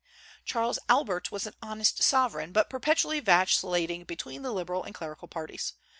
Charles Albert was an honest sovereign, but perpetually vacillating between the liberal and clerical parties.